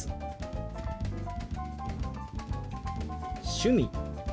「趣味」。